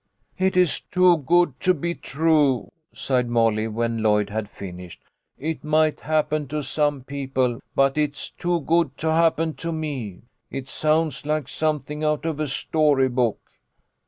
" It is too good to be true," sighed Molly, when Lloyd had finished. " It might happen to some peo ple, but it's too good to happen to me. It sounds like something out of a story book."